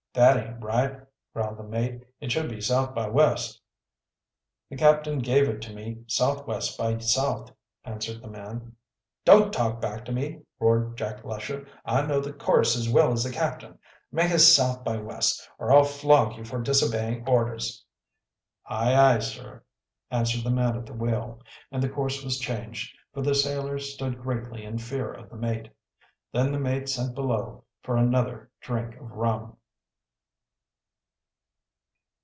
"That aint right," growled the mate. "It should be south by west." "The captain gave it to me southwest by south," answered the man. "Don't talk back to me!" roared Jack Lesher. "I know the course as well as the captain. Make it south by west, or I'll flog you for disobeying orders." "Aye, aye, sir," answered the man at the wheel, and the course was changed, for the sailor stood greatly in fear of the mate. Then the mate sent below for another drink of rum.